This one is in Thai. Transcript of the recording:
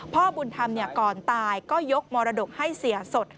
พ่อบุญธรรมก่อนตายก็ยกมรดกให้เสียสด